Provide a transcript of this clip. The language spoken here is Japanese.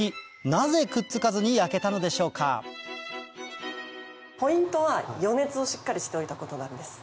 なぜくっつかずに焼けたのでしょうか？をしっかりしておいたことなんです。